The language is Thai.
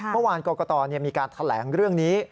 เมื่อวานกรกตมีการแถลงเรื่องนี้